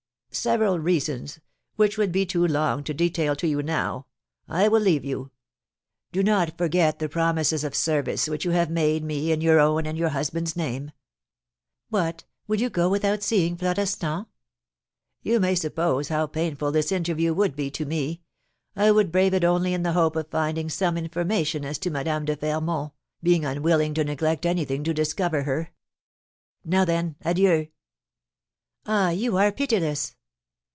"Several reasons, which would be too long to detail to you now. I will leave you. Do not forget the promises of service which you have made me in your own and your husband's name." "What, will you go without seeing Florestan?" "You may suppose how painful this interview would be to me. I would brave it only in the hope of finding some information as to Madame de Fermont, being unwilling to neglect anything to discover her. Now, then, adieu!" "Ah, you are pitiless!"